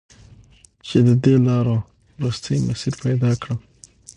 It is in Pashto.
چې د دې لارو، وروستی مسیر پیدا کړم